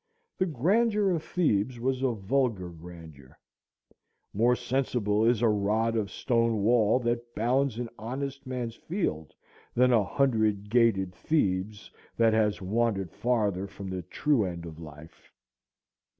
The grandeur of Thebes was a vulgar grandeur. More sensible is a rod of stone wall that bounds an honest man's field than a hundred gated Thebes that has wandered farther from the true end of life.